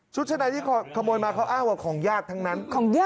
ชุดชะในที่ขโมยมาเขาอ้างว่าของญาติทั้งนั้น